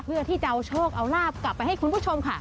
เพื่อที่จะเอาโชคเอาลาบกลับไปให้คุณผู้ชมค่ะ